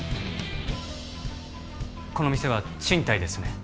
この店は賃貸ですよね？